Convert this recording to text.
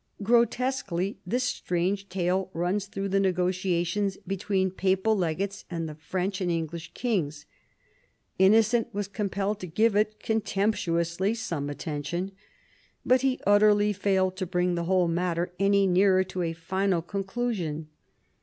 Grotesquely this strange tale runs through the negotia tions between papal legates and the French and English kings. Innocent was compelled to give it, contemptuously, some attention. But he utterly failed to bring the whole matter any nearer to a final conclu sion.